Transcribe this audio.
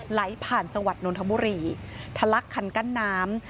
ไหลผ่านจังหวัดนนทบุรีทะลักคันกั้นน้ำ